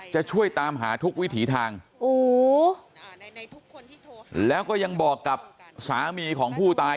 จะช่วยตามหาทุกวิถีทางโอ้โหแล้วก็ยังบอกกับสามีของผู้ตาย